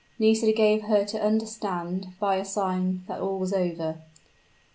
Nisida gave her to understand, by a sign, that all was over.